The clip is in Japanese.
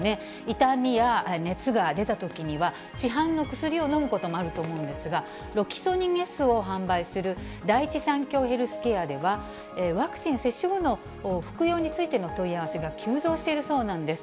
痛みや熱が出たときには、市販の薬を飲むこともあると思うんですが、ロキソニンＳを販売する第一三共ヘルスケアでは、ワクチン接種後の服用についての問い合わせが急増しているそうなんです。